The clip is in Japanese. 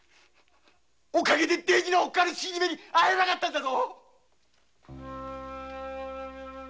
おかげで大事なおっかあの死に目に会えなかったんだぞ！